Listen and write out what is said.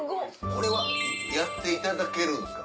これはやっていただけるんですか？